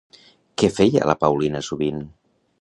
Què feia la Paulina sovint?